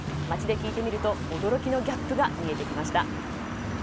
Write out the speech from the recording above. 街で聞いてみると驚きのギャップが見えてきました。